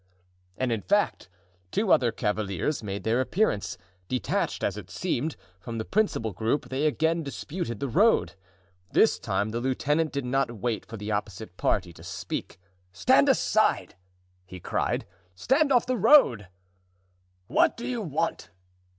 And in fact, two other cavaliers made their appearance, detached, as it seemed, from the principal group; they again disputed the road. This time the lieutenant did not wait for the opposite party to speak. "Stand aside!" he cried; "stand off the road!" "What do you want?"